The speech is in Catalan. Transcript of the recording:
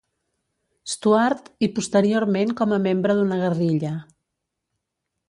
Stuart i posteriorment com a membre d'una guerrilla.